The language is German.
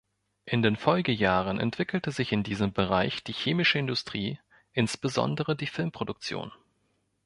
In den Folgejahren entwickelte sich in diesem Bereich die chemische Industrie, insbesondere die Filmproduktion.